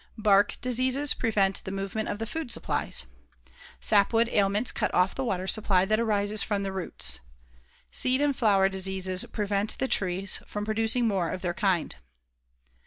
Bark diseases prevent the movement of the food supplies. Sapwood ailments cut off the water supply that rises from the roots. Seed and flower diseases prevent the trees from producing more of their kind.